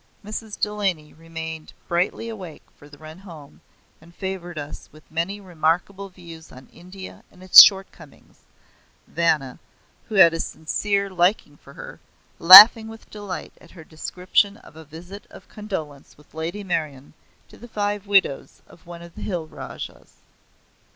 Mrs. Delany remained brightly awake for the run home, and favored us with many remarkable views on India and its shortcomings, Vanna, who had a sincere liking for her, laughing with delight at her description of a visit of condolence with Lady Meryon to the five widows of one of the hill Rajas.